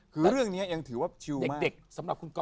คือเรื่องนี้ยังถือว่าชิวมาก